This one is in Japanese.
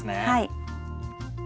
はい。